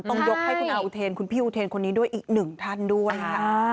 ต้องยกให้คุณอันอุเทนคุณพี่อุเทนคนนี้ด้วยอีกหนึ่งท่านด้วยค่ะ